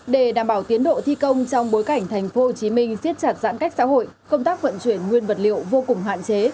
để đảm bảo tiến độ thi công trong bối cảnh tp hcm siết chặt giãn cách xã hội công tác vận chuyển nguyên vật liệu vô cùng hạn chế